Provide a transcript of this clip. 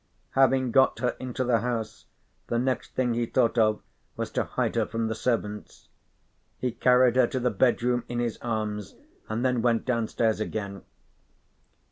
Having got her into the house, the next thing he thought of was to hide her from the servants. He carried her to the bedroom in his arms and then went downstairs again.